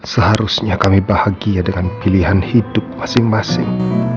seharusnya kami bahagia dengan pilihan hidup masing masing